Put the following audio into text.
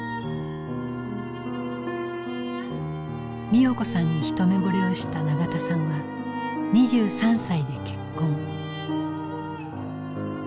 美代子さんに一目ぼれをした永田さんは２３歳で結婚。